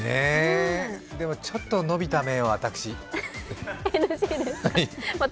でも、ちょっと伸びた麺は私。